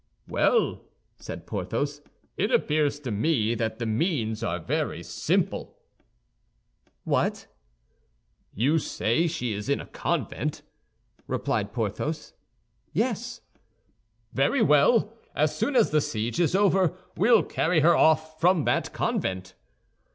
"Well," said Porthos, "it appears to me that the means are very simple." "What?" asked D'Artagnan. "You say she is in a convent?" replied Porthos. "Yes." "Very well. As soon as the siege is over, we'll carry her off from that convent."